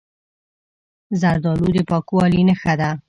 زردالو د پاکوالي نښه ده.